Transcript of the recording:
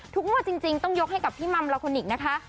ทุกมัวจริงต้องยกให้กับพี่มั่มราคอนิกนะคะ